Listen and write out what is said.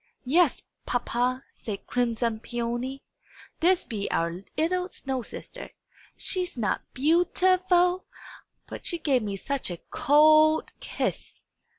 "Yes, papa," said crimson Peony. "This be our 'ittle snow sister. Is she not beau ti ful? But she gave me such a cold kiss!"